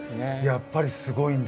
やっぱりすごいんだ？